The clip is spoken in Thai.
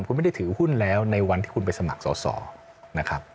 คุณไม่ได้ถือหุ้นแล้วในวันที่คุณไปสมัครสอสอนะครับ